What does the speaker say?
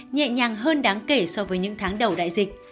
nhẹ nhàng hơn đáng kể so với những tháng đầu đại dịch